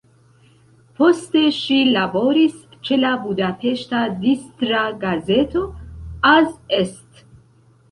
Poste ŝi laboris ĉe la budapeŝta distra gazeto "Az Est".